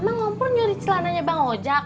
memang om pur nyuri celananya bang ocak